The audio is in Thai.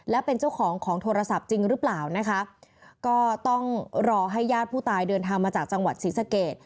และเป็นเจ้าของของโทรศัพท์จริงหรือเปล่านะคะก็ต้องรอให้ญาติผู้ตายเดินทางมาจากจังหวัดศรีสเกต